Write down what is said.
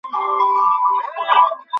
যেন আমার জীবন সেটার ওপরই নির্ভর ছিল।